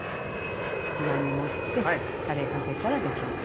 器に盛ってたれかけたらできあがり。